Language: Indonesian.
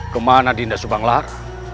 ke mana dinda subanglar